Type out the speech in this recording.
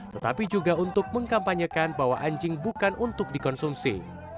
tetapi juga untuk mengkampanyekan bahwa anjing bukan untuk dikonsumsi